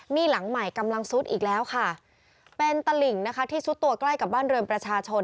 นี่หลังใหม่กำลังซุดอีกแล้วค่ะเป็นตลิ่งนะคะที่ซุดตัวใกล้กับบ้านเรือนประชาชน